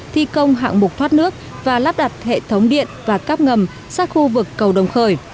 thi công hạng mục thoát nước và lắp đặt hệ thống điện và cắp ngầm sát khu vực cầu đồng khởi